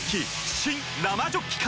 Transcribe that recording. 新・生ジョッキ缶！